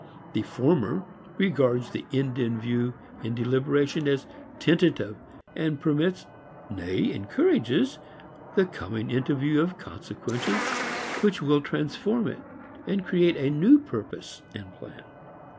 The former regards the end in view in deliberation as tentative and permits, nay encourages the coming into view of consequences which will transform it and create a new purpose and plan.